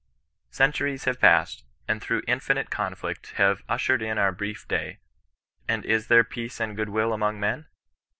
'^ Centuries have passed, and through infinite conflict have ' ushered in our brief day ;' and is there peace and good will among men